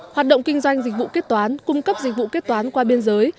hoạt động kinh doanh dịch vụ kế toán cung cấp dịch vụ kế toán qua biên giới